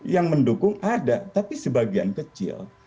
yang mendukung ada tapi sebagian kecil